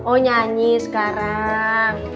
oh nyanyi sekarang